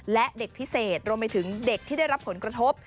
และเด็กพิเศษรวมไปถึงเด็กที่ได้รับผลกระทบ